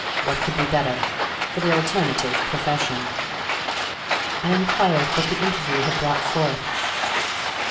What could be better—for the alternative profession?" I inquired what the interview had brought forth.